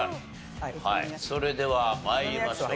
はいそれでは参りましょう。